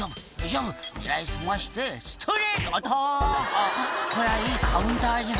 あぁこりゃいいカウンターじゃ」